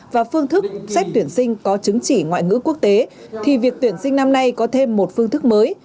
và phương thức xét tuyển sinh có chứng chỉ ngoại ngữ quốc tế thì việc tuyển sinh năm nay có thêm một phương thức mới